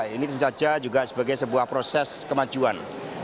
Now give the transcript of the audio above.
ini terjadi juga sebagai sebuah proses kemajuan